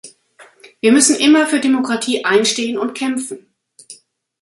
Wir müssen immer für Demokratie einstehen und kämpfen!